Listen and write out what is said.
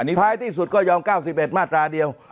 ท้ายที่สุดก็ยอม๙๑มาตราเดียว